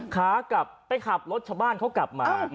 ขากลับไปขับรถชาวบ้านเขากลับมา